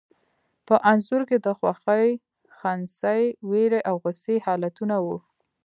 په انځور کې د خوښي، خنثی، وېرې او غوسې حالتونه وو.